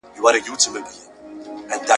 او تر آس نه یم په لس ځله غښتلی !.